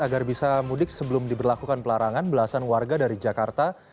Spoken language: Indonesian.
agar bisa mudik sebelum diberlakukan pelarangan belasan warga dari jakarta